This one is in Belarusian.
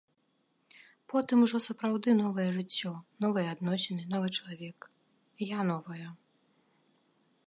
Потым ужо сапраўды новае жыццё, новыя адносіны, новы чалавек, я новая.